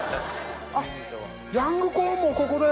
あっヤングコーンもここで！